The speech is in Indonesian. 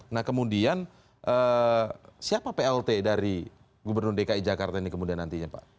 nah kemudian siapa plt dari gubernur dki jakarta ini kemudian nantinya pak